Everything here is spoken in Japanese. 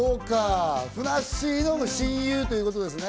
ふなっしーの親友ということですね。